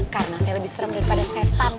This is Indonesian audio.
karena saya lebih serem daripada syetan